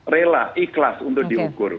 rela ikhlas untuk diukur